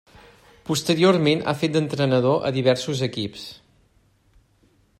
Posteriorment ha fet d'entrenador a diversos equips.